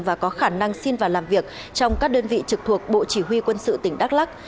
và có khả năng xin vào làm việc trong các đơn vị trực thuộc bộ chỉ huy quân sự tỉnh đắk lắc